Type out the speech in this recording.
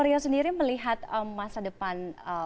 rio sendiri melihat masa depan